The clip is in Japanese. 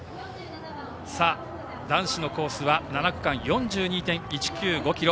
さあ、男子のコースは７区間４２．１９５ｋｍ。